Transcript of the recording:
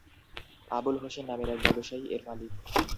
আবুল হোসেন নামের এক ব্যবসায়ী এর মালিক।